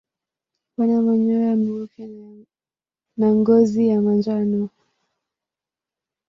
Wana manyoya meupe na ngozi ya manjano.